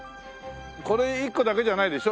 これ１個だけじゃないでしょ？